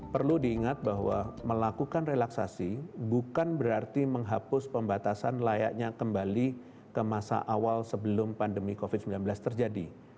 perlu diingat bahwa melakukan relaksasi bukan berarti menghapus pembatasan layaknya kembali ke masa awal sebelum pandemi covid sembilan belas terjadi